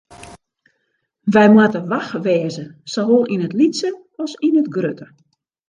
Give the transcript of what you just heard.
Wy moatte wach wêze, sawol yn it lytse as yn it grutte.